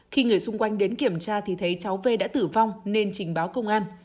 khi người xung quanh đến kiểm tra thì thấy cháu v đã tử vong nên trình báo công an